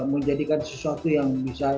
menjadikan sesuatu yang bisa